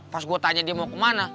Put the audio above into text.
pas gue tanya dia mau kemana